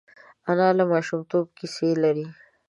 انا له ماشومتوبه کیسې لري